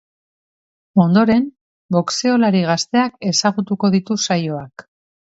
Ondoren, boxeolari gazteak ezagutuko ditu saioak.